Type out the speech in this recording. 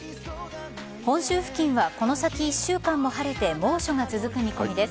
本州付近はこの先１週間も晴れて猛暑が続く見込みです。